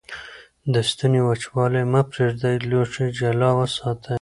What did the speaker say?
د ستوني وچوالی مه پرېږدئ. لوښي جلا وساتئ.